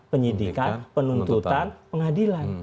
penyidikan penuntutan pengadilan